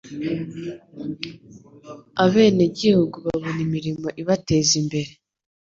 abenegihugu babona imirimo ibateza imbere